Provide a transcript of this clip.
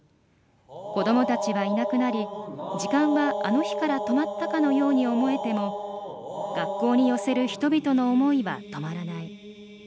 子どもたちはいなくなり時間はあの日から止まったかのように思えても学校に寄せる人々の思いは止まらない。